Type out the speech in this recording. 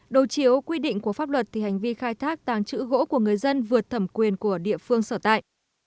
đầu chiếu quy định của pháp luật thì hành vi khai thác tàng trữ gỗ của người dân vượt thẩm quyền của địa phương sở tại